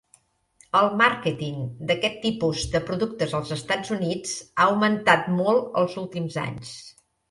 El màrqueting d'aquest tipus de productes als Estats Units ha augmentat molt els últims anys.